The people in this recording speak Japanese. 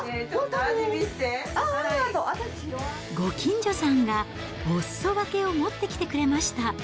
ご近所さんがおすそ分けを持ってきてくれました。